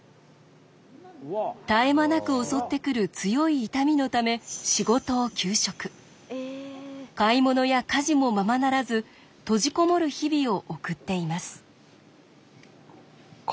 絶え間なく襲ってくる強い痛みのため買い物や家事もままならず閉じこもる日々を送っています。